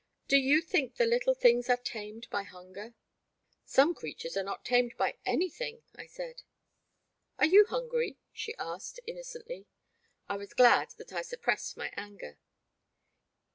Do you think the little things are tamed by hunger? "Some creatures are not tamed by anything," I said. *' Are you hungry ?she asked, innocently. I was glad that I suppressed my anger.